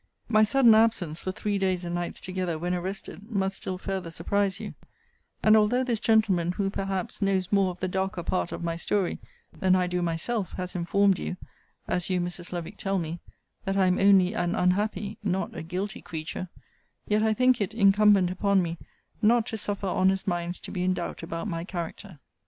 'My sudden absence, for three days and nights together when arrested, must still further surprise you: and although this gentleman, who, perhaps, knows more of the darker part of my story, than I do myself, has informed you (as you, Mrs. Lovick, tell me) that I am only an unhappy, not a guilty creature; yet I think it incumbent upon me not to suffer honest minds to be in doubt about my character.